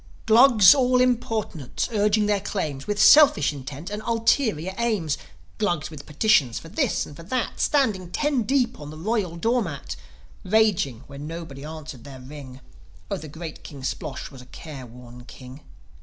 Glus all importunate urging their claims, With selfish intent and ulterior aims, Glugs with petitions for this and for that, Standing ten deep on the royal door mat, Raging when nobody answered their ring Oh, the great King Splosh was a careworn king.